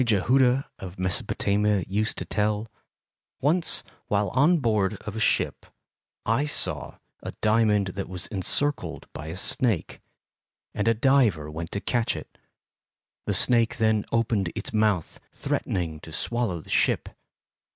Jehudah of Mesopatamia used to tell: Once while on board of a ship, I saw a diamond that was encircled by a snake, and a diver went to catch it. The snake then opened its mouth, threatening to swallow the ship.